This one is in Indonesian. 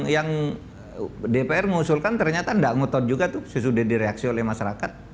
yang dpr mengusulkan ternyata tidak ngotot juga tuh sesudah direaksi oleh masyarakat